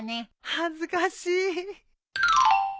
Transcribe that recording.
恥ずかしい。